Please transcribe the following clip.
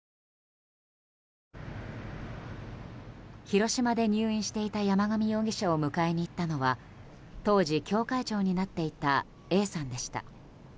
広島で入院していた山上容疑者を迎えに行ったのは当時、教会長になっていたＡさんでした。